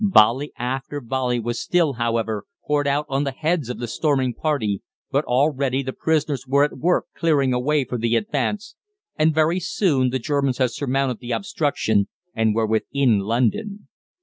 Volley after volley was still, however, poured out on the heads of the storming party, but already the pioneers were at work clearing a way for the advance, and very soon the Germans had surmounted the obstruction and were within London.